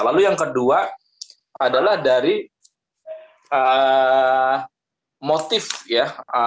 lalu yang kedua adalah dari motif ya